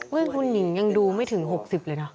คุณหญิงยังดูไม่ถึง๖๐เลยนะ